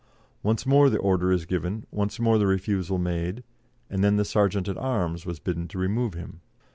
Once more the order is given, once more the refusal made, and then the Serjeant at Arms was bidden to remove him.